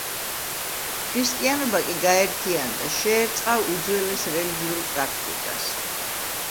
ქრისტიანობა კი გაერთიანდა, შეერწყა უძველეს რელიგიურ პრაქტიკას.